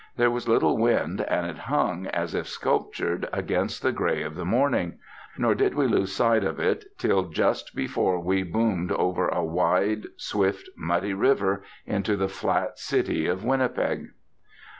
There was little wind, and it hung, as if sculptured, against the grey of the morning; nor did we lose sight of it till just before we boomed over a wide, swift, muddy river, into the flat city of Winnipeg.